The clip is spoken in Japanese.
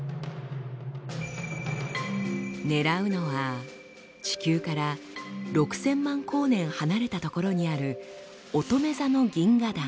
狙うのは地球から６，０００万光年離れた所にあるおとめ座の銀河団。